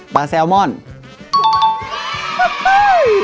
๑ปลาแซลมอน๒ปลาส้ม